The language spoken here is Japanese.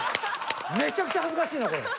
めちゃくちゃ恥ずかしいな。